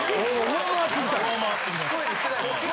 上回ってきました。